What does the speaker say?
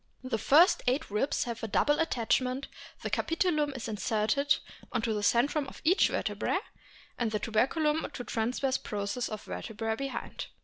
The first eight ribs have a double attachment, the capitulum is inserted on to centrum of each vertebra, and the tuberculum to transverse process of vertebra behind.